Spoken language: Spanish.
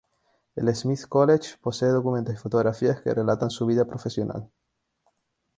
El Smith College posee documentos y fotografías que relatan su vida profesional.